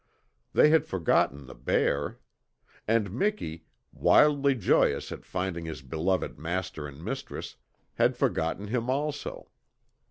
They had forgotten the bear. And Miki, wildly joyous at finding his beloved master and mistress, had forgotten him also.